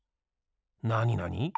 なになに？